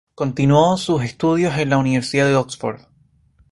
Continuó sus estudios en la Universidad de Oxford.